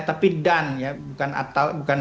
tapi dan ya bukan